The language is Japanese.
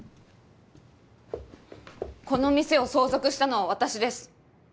この店を相続したのは私です。